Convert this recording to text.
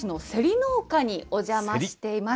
農家にお邪魔しています。